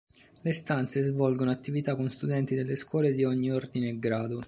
Le "Stanze" svolgono attività con studenti delle scuole di ogni ordine e grado.